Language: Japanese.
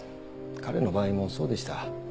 彼の場合もそうでした。